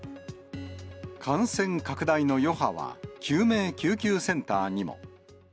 感染拡大の余波は、救命救急センターにも。